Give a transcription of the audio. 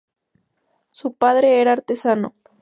Su padre era artesano.